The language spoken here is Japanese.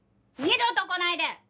二度と来ないで！